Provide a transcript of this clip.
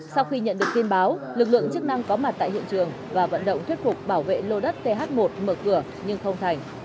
sau khi nhận được tin báo lực lượng chức năng có mặt tại hiện trường và vận động thuyết phục bảo vệ lô đất th một mở cửa nhưng không thành